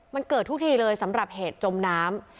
มันเกิดทุกทีเลยสำหรับเหตุจมน้ำ